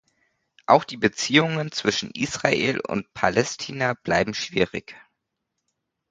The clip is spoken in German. Auch die Beziehungen zwischen Israel und Palästina bleiben schwierig.